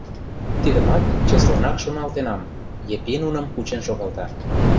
— Тидымат чеслынак шоналтенам, — Епи нуным кучен шогалта.